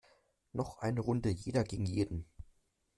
Noch eine Runde jeder gegen jeden!